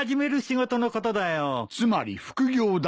つまり副業だな。